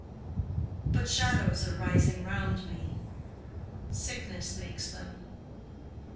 But shadows are rising round me. Sickness makes them.